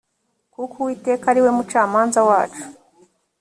kuko uwiteka ari we mucamanza wacu